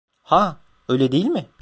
Ha, öyle değil mi?